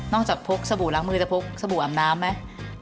จากพกสบู่ล้างมือจะพกสบู่อาบน้ำไหม